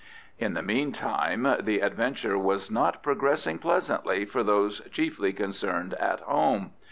In the meantime the adventure was not progressing pleasantly for those chiefly concerned at home.